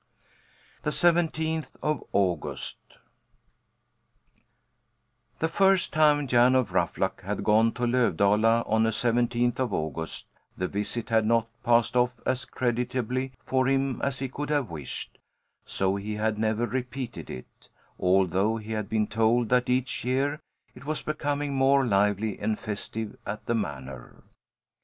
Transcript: THE SEVENTEENTH OF AUGUST The first time Jan of Ruffluck had gone to Lövdala on a seventeenth of August the visit had not passed off as creditably for him as he could have wished; so he had never repeated it, although he had been told that each year it was becoming more lively and festive at the Manor.